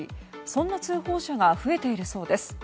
そんな通報者が増えているそうです。